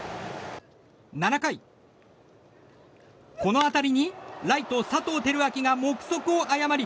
７回、この当たりにライト、佐藤輝明が目測を誤り